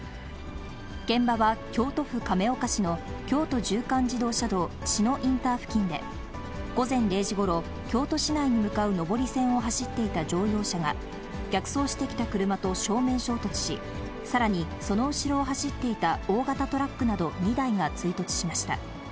現場は京都府亀岡市の京都縦貫自動車道篠インター付近で、午前０時ごろ、京都市内に向かう上り線を走っていた乗用車が、逆走してきた車と正面衝突し、さらにその後ろを走っていた大型トラックなど２台が追突しました。